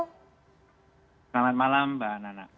selamat malam mbak nana